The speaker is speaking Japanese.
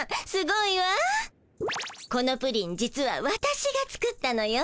このプリン実は私が作ったのよ。